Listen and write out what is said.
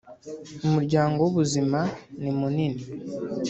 Umuryango wubuzima nimunini